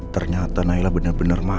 ternyata nailah benar benar berhati hati